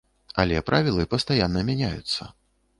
Але правілы пастаянна мяняюцца.